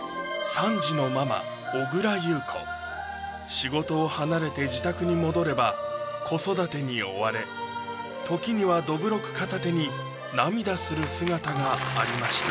仕事を離れて自宅に戻れば子育てに追われ時にはどぶろく片手に涙する姿がありました